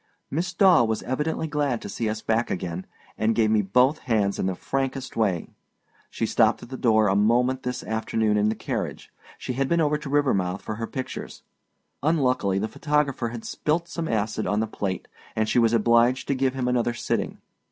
Miss Daw was evidently glad to see us back again, and gave me both hands in the frankest way. She stopped at the door a moment this afternoon in the carriage; she had been over to Rivermouth for her pictures. Unluckily the photographer had spilt some acid on the plate, and she was obliged to give him another sitting.